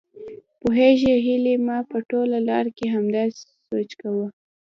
پوهېږې هيلې ما په ټوله لار کې همداسې سوچ کاوه.